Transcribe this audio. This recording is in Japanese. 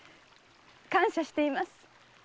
感謝しています。